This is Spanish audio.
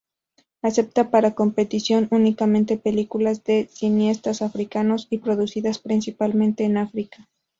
Acepta para competición únicamente películas de cineastas africanos y producidas principalmente en África.